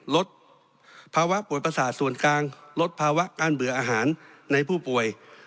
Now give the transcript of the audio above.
ลดภาวะปวดประสาทส่วนกลางลดภาวะการเบื่ออาหารในผู้ป่วย